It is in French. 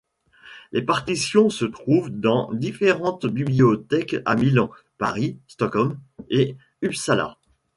Les partitions se trouvent dans différentes bibliothèques à Milan, Paris, Stockholm et Uppsala.